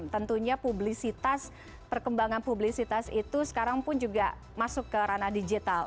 tentunya publisitas perkembangan publisitas itu sekarang pun juga masuk ke ranah digital